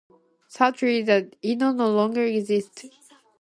Sadly, the Inn no longer exists.